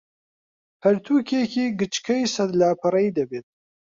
پەرتووکێکی گچکەی سەد لاپەڕەیی دەبێت